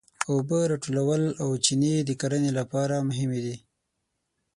اوبه راټولول او چینې د کرنې لپاره مهمې وې.